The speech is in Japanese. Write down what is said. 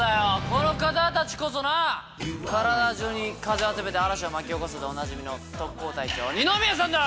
この方たちこそ「体中に風を集めて嵐を巻き起こす」でおなじみの特攻隊長二宮さんだ！